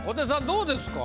どうですか？